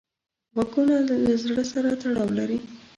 غوږونه له زړه سره تړاو لري